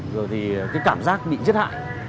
rồi thì cái cảm giác bị giết hại